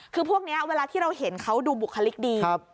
คือพวกนี้เวลาที่เราเห็นเขาดูบุคลิกดี